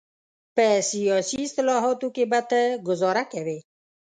په سیاسي اصطلاحاتو کې به ته ګوزاره کوې.